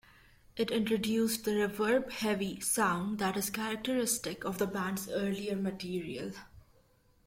It introduced the reverb-heavy sound that is characteristic of the band's earlier material.